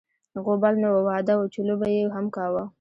غوبل نه و، واده و چې لو به یې هم کاوه.